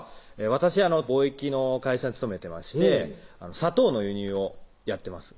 私貿易の会社に勤めてまして砂糖の輸入をやってます